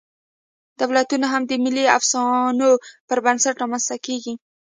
دولتونه هم د ملي افسانو پر بنسټ رامنځ ته کېږي.